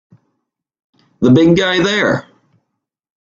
The big guy there!